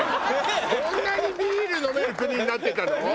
こんなにビール飲める国になってたの？